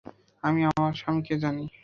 আমি আমার স্বামীকে জানি।